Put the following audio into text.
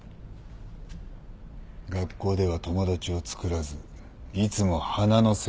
学校では友達をつくらずいつも花の世話をしていた。